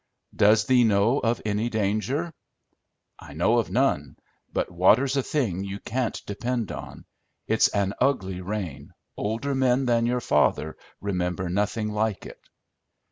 "Does thee know of any danger?" "I know of none, but water's a thing you can't depend on. It's an ugly rain; older men than your father remember nothing like it."